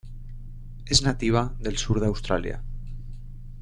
Es nativa del sur de Australia.